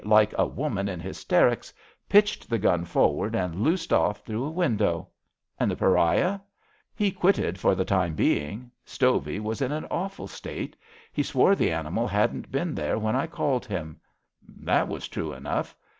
like a woman in hysterics, pitched the gun forward and loosed off through'^a window." '' And the pariah? " HIS BROTHER ^S KEEPER 127 He quitted for the time being, Stovey was in an awful state. He swore the animal hadn't been there when I called him. That was true^ enough.